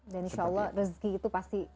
dan insya allah rezeki itu pasti